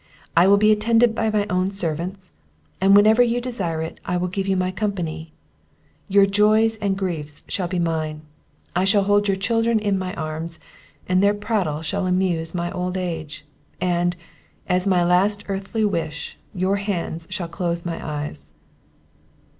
I will be attended by my own servants; and, whenever you desire it, I will give you my company; your joys, your griefs shall be mine; I shall hold your children in my arms, and their prattle shall amuse my old age; and, as my last earthly wish, your hands shall close my eyes."